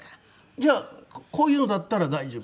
じゃあこういうのだったら大丈夫？